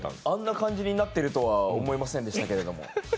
あんな感じになってるとは思いませんでしたけど。